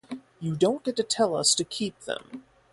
You don’t get to tell us to keep them.